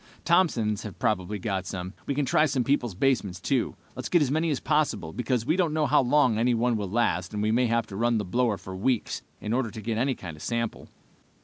Thompson's have probably got some. We can try people's basements, too. Let's get as many as possible, because we don't know how long any one will last, and we may have to run the blower for weeks, in order to get any kind of sample."